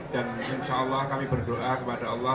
dan insya allah kami berdoa kepada allah